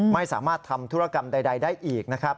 ไม่สามารถทำธุรกรรมใดได้อีกนะครับ